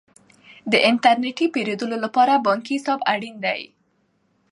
د انټرنیټي پیرودلو لپاره بانکي حساب اړین دی.